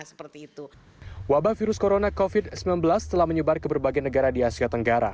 seperti itu wabah virus corona covid sembilan belas telah menyebar ke berbagai negara di asia tenggara